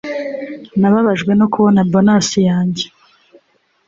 Nababajwe no kubona bonus yanjye